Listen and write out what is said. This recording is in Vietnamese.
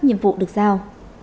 nhiệm vụ được giao